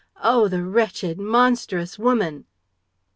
... Oh, the wretched, monstrous woman!